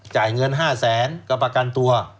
จ่ายเงิน๕๐๐๐๐๐บาทก็ประกันตัว